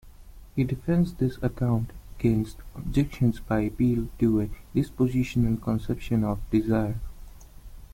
He defends this account against objections by appeal to a dispositional conception of desire.